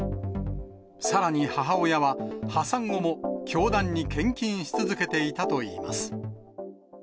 さらに母親は破産後も、教団に献金し続けていたといいます。